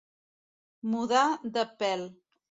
Mudar de pèl.